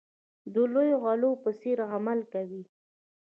د لویو غلو په څېر عمل کوي.